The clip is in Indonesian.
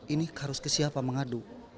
ini harus ke siapa mengadu